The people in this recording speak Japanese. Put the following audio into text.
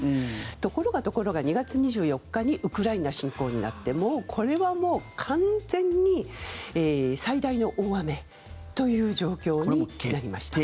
ところがところが２月２４日にウクライナ侵攻になってこれはもう完全に最大の大雨という状況になりました。